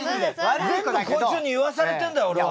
全部こいつに言わされてんだよ俺は。